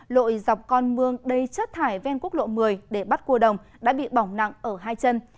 lội dọc con mương đầy chất thải ven quốc lộ một mươi để bắt cua đồng đã bị bỏng nặng ở hai chân